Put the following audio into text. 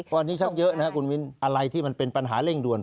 วันนี้ชักเยอะนะครับคุณมิ้นอะไรที่มันเป็นปัญหาเร่งด่วน